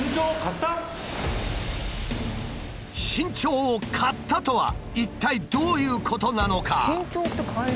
身長を買ったとは一体どういうことなのか？